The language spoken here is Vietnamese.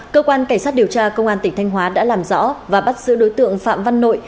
cơ quan cảnh sát điều tra công an tỉnh thanh hóa đã làm rõ và bắt giữ đối tượng phạm văn nội